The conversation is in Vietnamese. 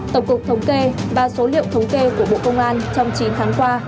tổng cục thống kê và số liệu thống kê của bộ công an trong chín tháng qua